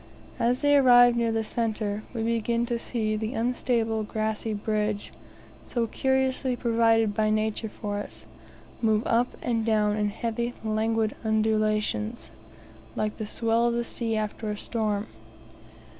As they arrived near the centre we began to see this unstable grassy bridge, so curiously provided by nature for us, move up and down in heavy languid undulations, like the swell of the sea after a storm.